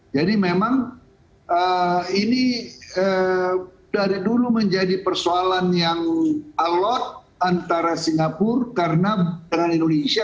jadi memang ini dari dulu menjadi persoalan yang alot antara singapura dengan indonesia